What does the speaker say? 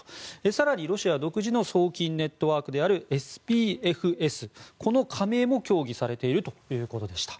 更にロシアが独自の送金ネットワークであるＳＰＦＳの加入も協議されているということでした。